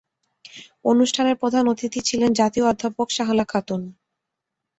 অনুষ্ঠানে প্রধান অতিথি ছিলেন জাতীয় অধ্যাপক শাহলা খাতুন।